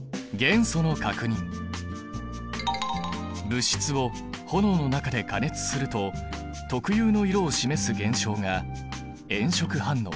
物質を炎の中で加熱すると特有の色を示す現象が炎色反応。